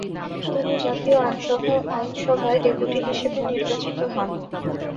তিনি জাতীয় আইনসভায় ডেপুটি হিসেবে নির্বাচিত হন।